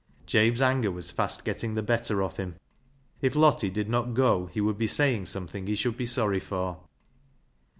Jabe's anger was fast getting the better of him. If Lottie did not go, he would be saying something he should be sorry for.